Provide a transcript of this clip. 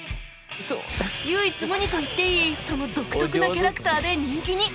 唯一無二と言っていいその独特なキャラクターで人気に